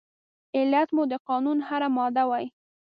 عدالت مو د قانون هره ماده وای